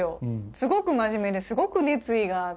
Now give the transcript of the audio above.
すごく真面目ですごく熱意があって。